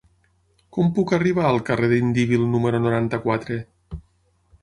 Com puc arribar al carrer d'Indíbil número noranta-quatre?